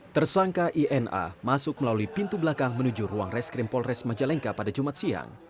tersangka ina masuk melalui pintu belakang menuju ruang reskrim polres majalengka pada jumat siang